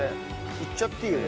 いっちゃっていいよね？